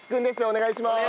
お願いします。